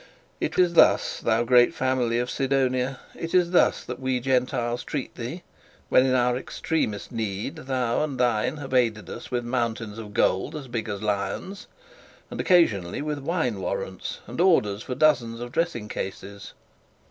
It is thus, thou great family of Sidonia it is thus that we Gentiles treat thee, when, in our most extreme need, thou and thine have aided us with mountains of gold as big as lions and occasionally with wine warrants and orders for dozens of dressing cases.